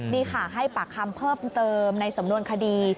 นี่ค่ะให้ปากคำเพิ่มเติมในสำนวนคดี